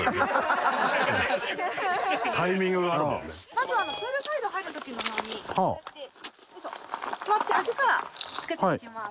まずプールサイド入る時のようにこうやって座って足からつけていきます。